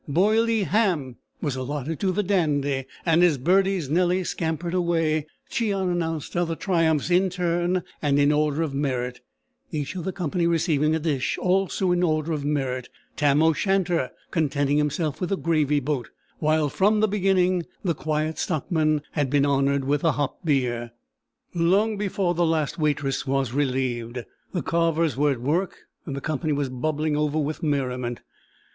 "Boilee Ham" was allotted to the Dandy; and as Bertie's Nellie scampered away, Cheon announced other triumphs in turn and in order of merit, each of the company receiving a dish also in order of merit: Tam o' Shanter contenting himself with the gravy boat, while, from the beginning, the Quiet Stockman had been honoured with the hop beer. Long before the last waitress was relieved, the carvers were at work, and the company was bubbling over with merriment.